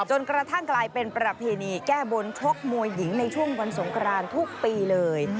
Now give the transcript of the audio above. จนกระทั่งกลายเป็นประเพณีแก้บนชกมวยหญิงในช่วงวันสงครานทุกปีเลย